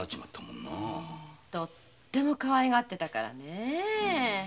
とってもかわいがっていたからね。